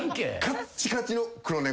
カッチカチの黒猫。